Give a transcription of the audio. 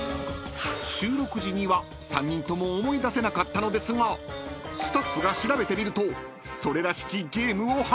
［収録時には３人とも思い出せなかったのですがスタッフが調べてみると］